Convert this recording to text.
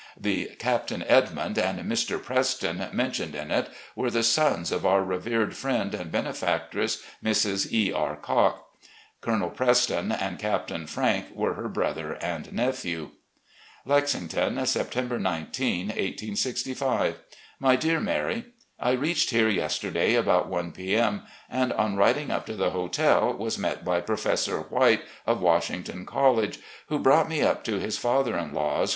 The "Captain Edmimd" and "Mr. Preston" mentioned in it were the sons of our revered friend and benefactress, Mrs. E. R. Cocke. Colonel Preston and Captain Frank were her brother and nephew : "Lexington, September 19, 1865. "My Dear Mary: I reached here yesterday about one P.M., and on riding up to the hotel was met by Professor White, of Washington College, who brought me up to his father in law's.